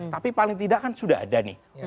tapi paling tidak kan sudah ada nih